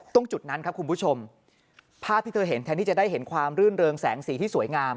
ตรงจุดนั้นครับคุณผู้ชมภาพที่เธอเห็นแทนที่จะได้เห็นความรื่นเริงแสงสีที่สวยงาม